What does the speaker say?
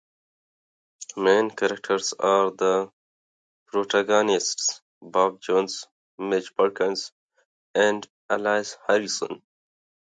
The main characters are the protagonist, Bob Jones, Madge Perkins, and Alice Harrison.